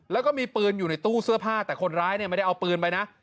แล้วก็มีปืนอยู่ในตู้เสื้อผ้าแต่คนร้ายเนี่ยไม่ได้เอาปืนไปนะ